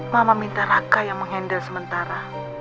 mama minta raka yang mengendal sementara